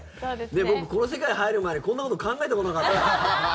僕この世界入るまでこんなこと考えたことなかった。